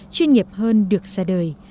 chuyên nghiệp hơn được ra đời